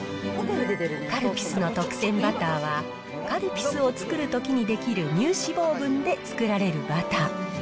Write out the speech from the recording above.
カルピスの特撰バターは、カルピスを作るときに出来る乳脂肪分で作られるバター。